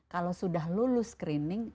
kalau sudah lulus screening